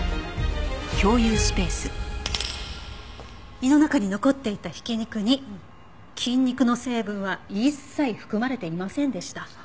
胃の中に残っていた挽き肉に菌肉の成分は一切含まれていませんでした。